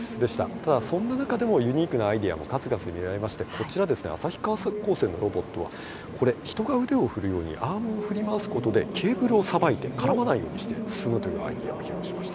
ただそんな中でもユニークなアイデアも数々見られましてこちら旭川高専のロボットはこれ人が腕を振るようにアームを振り回すことでケーブルをさばいて絡まないようにして進むというアイデアを披露しました。